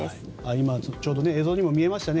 今、ちょうど映像にも見えましたね。